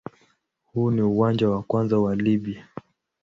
Huu ni uwanja wa kwanza wa Libya.